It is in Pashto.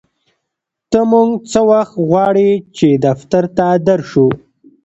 ته مونږ څه وخت غواړې چې دفتر ته در شو